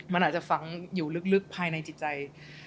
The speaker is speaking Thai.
มันอาจจะฝังอยู่ลึกภายในจิตใจ